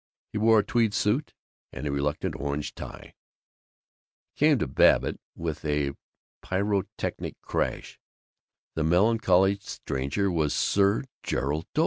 He wore a tweed suit and a reluctant orange tie. It came to Babbitt with a pyrotechnic crash. The melancholy stranger was Sir Gerald Doak.